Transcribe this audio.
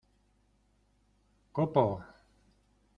¡ copo!